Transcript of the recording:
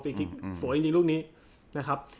ฟรีคลิกสวยจริงรูปนี้นะครับ